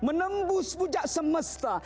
menembus bujak semesta